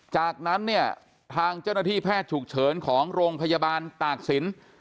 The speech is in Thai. จากนั้นเนี่ยทางเจ้าหน้าที่แพทย์ฉุกเฉินของโรงพยาบาลตากศิลป์